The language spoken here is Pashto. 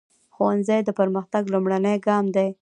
ښوونځی د پرمختګ لومړنی ګام دی.